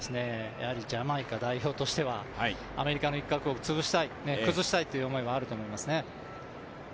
ジャマイカ代表としては、アメリカの一角を崩したい潰したいという思いはあると思いますね。